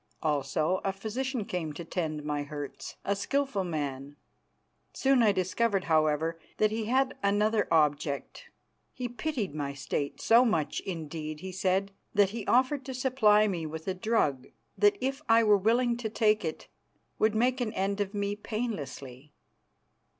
Also a physician came to tend my hurts, a skilful man. Soon I discovered, however, that he had another object. He pitied my state, so much, indeed, he said, that he offered to supply me with a drug that, if I were willing to take it, would make an end of me painlessly.